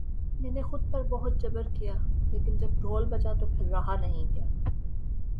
میں نے خود پر بہت جبر کیا لیکن جب ڈھول بجا تو پھر رہا نہیں گیا